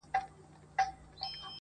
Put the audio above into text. يه پر ما گرانه ته مي مه هېروه_